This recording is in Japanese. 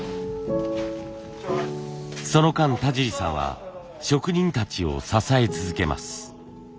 その間田尻さんは職人たちを支え続けます。